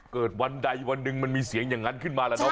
วันใดวันหนึ่งมันมีเสียงอย่างนั้นขึ้นมาแล้วเนอ